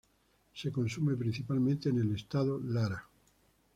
Se consume principalmente en el estado Lara.